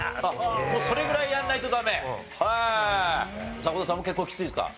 迫田さんも結構きついですか？